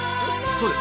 そうです。